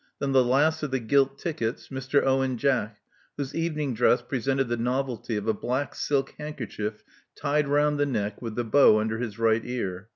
Then the last of the gilt tickets, Mr. Owen Jack, whose evening dress presented the novelty of a black silk handkerchief tied round the neck with the bow under his right ear.